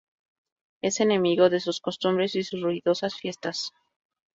Es enemigo de sus costumbres y sus ruidosas fiestas.